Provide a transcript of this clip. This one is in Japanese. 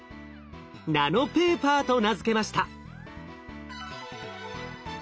「ナノペーパー」と名付けました。